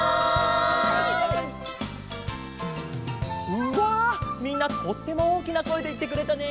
うわみんなとってもおおきなこえでいってくれたね。